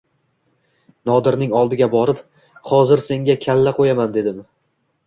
Nodirning oldiga borib: “Hozir senga kalla qo‘yaman”, dedim.